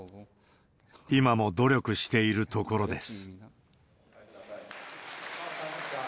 今も努力しているところです。